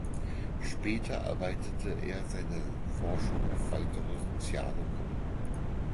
Später erweiterte er seine Forschung auf weitere soziale Gruppen.